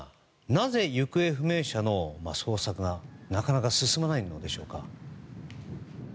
なぜ行方不明者の捜索がなかなか進まないんでしょうか。